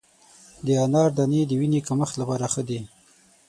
د انار دانې د وینې د کمښت لپاره ښه دي.